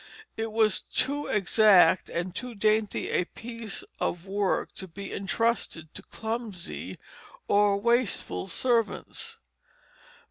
It was too exact and too dainty a piece of work to be intrusted to clumsy or wasteful servants.